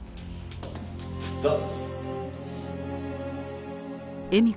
さあ。